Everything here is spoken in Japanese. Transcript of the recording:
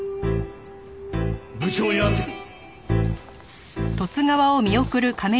部長に会ってくる。